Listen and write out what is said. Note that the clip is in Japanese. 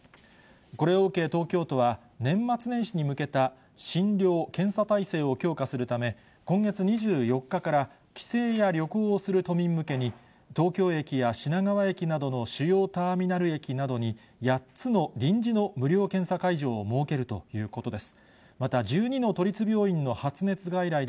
これを受け、東京都は年末年始に向けた診療・検査体制を強化するため、今月２４日から帰省や旅行をする都民向けに、東京駅や品川駅などの主要ターミナル駅などに、８つの臨時の無料検査会場を設けるということです。